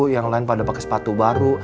yang lain pada pakai sepatu baru